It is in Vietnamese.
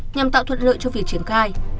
nhằm tạo thuận lợi cho việc triển khai